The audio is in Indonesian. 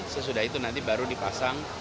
sesudah itu nanti baru dipasang